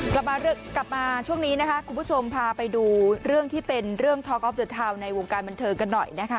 กลับมากลับมาช่วงนี้นะคะคุณผู้ชมพาไปดูเรื่องที่เป็นเรื่องทอลกออฟเดอร์ทาวน์ในวงการบันเทิงกันหน่อยนะคะ